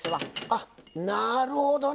あなるほどね。